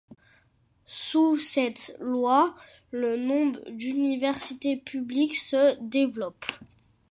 Sous cette loi, le nombre d'universités publiques se développent.